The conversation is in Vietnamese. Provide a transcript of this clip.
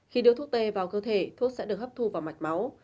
khi đưa thuốc tê vào cơ thể thuốc sẽ được hấp thu vào mạch máu